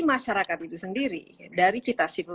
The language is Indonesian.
masyarakat ini sendiri dari kita civil